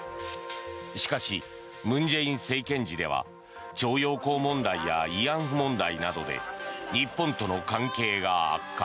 しかし文在寅政権時では徴用工問題や慰安婦問題などで日本との関係が悪化。